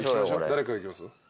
誰からいきます？